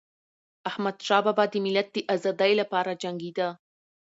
احمدشاه بابا د ملت د ازادی لپاره جنګيده.